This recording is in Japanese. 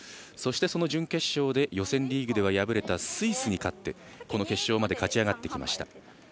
そしてその準決勝で予選リーグでは敗れたスイスに勝って、この決勝まで勝ち上がってきました。